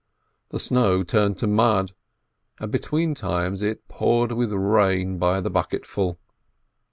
The snow turned to mud, and between times it poured with rain by the bucketful.